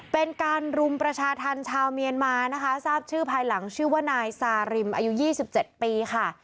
เป็นการรุมประชาธรรมชาวเมียนมานะคะทราบชื่อภายหลังชื่อว่านายซาริมอายุ๒๗ปีค่ะ